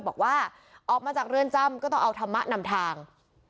บอกว่าออกมาจากเรือนจำก็ต้องเอาธรรมะนำทาง